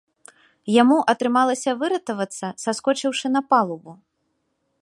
Яму атрымалася выратавацца, саскочыўшы на палубу.